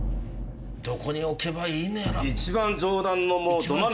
どこに置けばいいのやら。